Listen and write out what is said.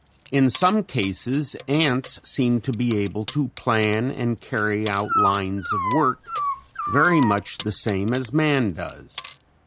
In some cases ants seem to be able to plan and carry out lines of work very much the same as man does.